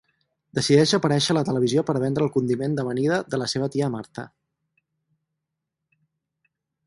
Decideix aparèixer a la televisió per vendre el condiment d'amanida de la seva tia Martha.